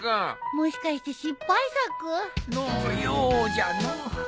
もしかして失敗作？のようじゃの。